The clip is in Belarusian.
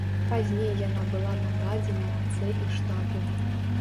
Пазней яна была нададзена рацэ і штату.